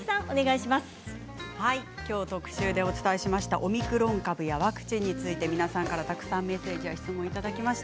きょう特集でお伝えしましたオミクロン株やワクチンについて皆さんからたくさんメッセージや質問をいただきました。